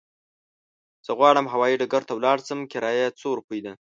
زه غواړم هوايي ډګر ته ولاړ شم، کرايه څو روپی ده؟